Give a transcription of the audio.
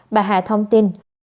bà hà thông tin